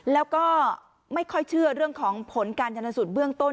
แล้วก็ไม่ค่อยเชื่อเรื่องของผลการชนสูตรเบื้องต้น